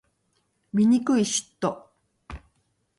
醜い嫉妬